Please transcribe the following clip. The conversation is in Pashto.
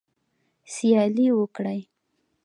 سیالي وکړئ